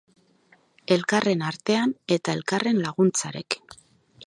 Elkarren artean eta elkarren laguntzarekin.